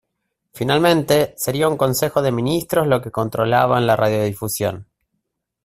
Finalmente sería un Consejo de Ministros los que controlaban la radiodifusión.